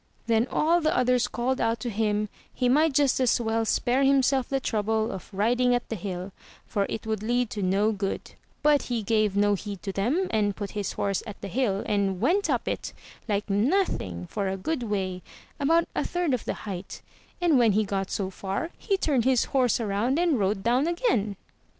Then all the others called out to him he might just as well spare himself the trouble of riding at the hill, for it would lead to no good; but he gave no heed to them, and put his horse at the hill, and went up it like nothing for a good way, about a third of the height; and when he got so far, he turned his horse round and rode down again.